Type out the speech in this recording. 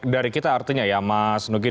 dari kita artinya ya mas nugi